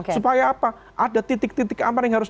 supaya apa ada titik titik aman yang harus